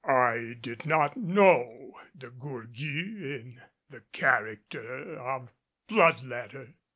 I did not know De Gourgues in the character of blood letter.